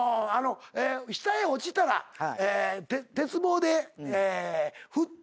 下へ落ちたら鉄棒で振って。